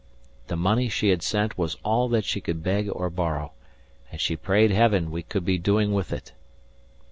The money she had sent was all that she could beg or borrow, and she prayed heaven we could be doing with it.